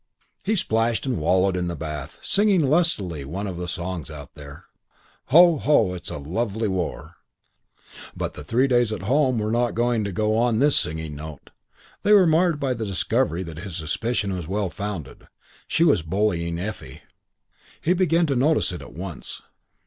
He splashed and wallowed in the bath, singing lustily one of the songs out there: "Ho, ho, ho, it's a lovely war!" VI But the three days at home were not to go on this singing note. They were marred by the discovery that his suspicion was well founded; she was bullying Effie. He began to notice it at once.